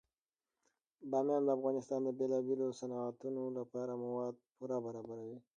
بامیان د افغانستان د بیلابیلو صنعتونو لپاره مواد پوره برابروي.